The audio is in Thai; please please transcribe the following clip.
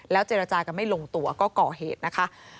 เจรจากันไม่ลงตัวก็ก่อเหตุนะคะ